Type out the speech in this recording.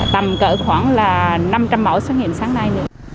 tầm cỡ khoảng là năm trăm linh mẫu xét nghiệm sáng nay